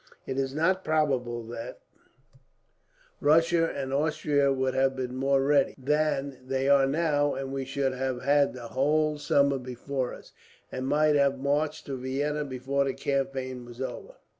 It is not probable that Russia and Austria would have been more ready, then, than they are now; and we should have had the whole summer before us, and might have marched to Vienna before the campaign was over.